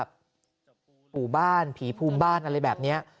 หมู่บ้านผีภูมิบ้านอะไรแบบนี้